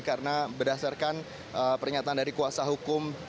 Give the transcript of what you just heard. karena berdasarkan pernyataan dari kuasa hukum